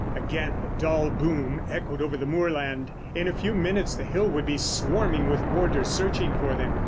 Again the dull boom echoed over the moorland. In a few minutes the hill would be swarming with warders searching for them.